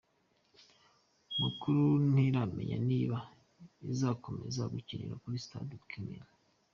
Mukura ntiramenya niba izakomeza gukinira kuri Stade Kamena.